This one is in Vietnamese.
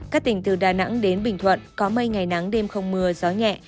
các tỉnh từ đà nẵng đến bình thuận có mây ngày nắng đêm không mưa gió nhẹ